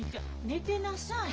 寝てなさい。